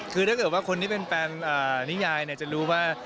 คือถ้าเกิดว่าคนที่เป็นแฟนนิยายจะรู้ว่า